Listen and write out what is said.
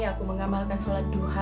aku mengamalkan sholat duha